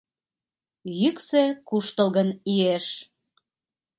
Йӱксӧ куштылгын иеш.